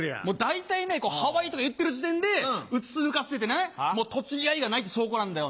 大体ねハワイとか言ってる時点でうつつ抜かしててね栃木愛がないって証拠なんだよ。